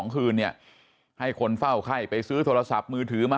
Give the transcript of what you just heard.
คืนเนี่ยให้คนเฝ้าไข้ไปซื้อโทรศัพท์มือถือมา